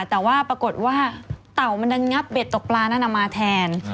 แต่ว่าปรากฏว่าเต่ามันดันงับเบ็ดตกปลานั้นมาแทน